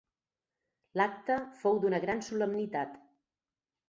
L'acte fou d'una gran solemnitat.